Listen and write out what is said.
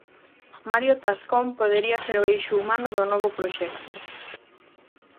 Mario Tascón podería ser o eixo humano do novo proxecto.